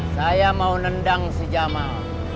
saya mau nendang si jamal